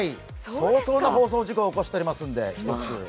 相当な放送事故を起こしておりますので、ひとつ。